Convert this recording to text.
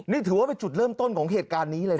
นี่ถือว่าเป็นจุดเริ่มต้นของเหตุการณ์นี้เลยนะ